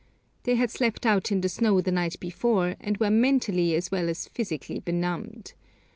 They had slept out in the snow the night before, and were mentally as well as physically benumbed.